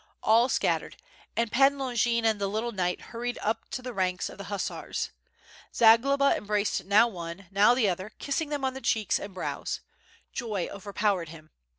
All scattered, and Pan Longin and the little knight hurried up to the ranks of the hussars. Zagloba embraced now one, now th.e other, kissing them on the cheeks and brows. Joy overpowered him.